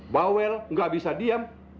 bawel nggak bisa diam